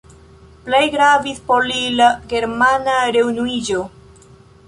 Plej gravis por li la Germana reunuiĝo.